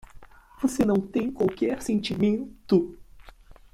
Você não tem qualquer sentimento?